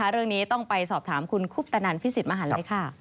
เรื่องนี้ต้องไปสอบถามคุณคุปตนันพิสิทธิมหันเลยค่ะ